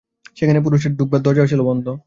সেখানে পুরুষের ঢোকবার দরজা ছিল বন্ধ।